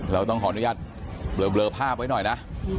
เราต้องขออนุญาตเบลอภาพไว้หน่อยนะ